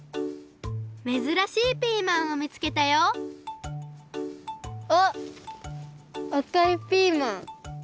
めずらしいピーマンをみつけたよあっあかいピーマン。